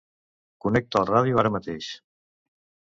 Connecta la ràdio ara mateix.